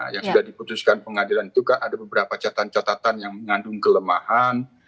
yang sudah diputuskan pengadilan itu kan ada beberapa catatan catatan yang mengandung kelemahan